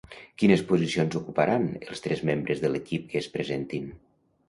Quines posicions ocuparan els tres membres de l'equip que es presentin?